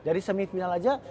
jadi semifinal aja